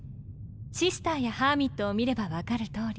シスターやハーミットを見れば分かる通り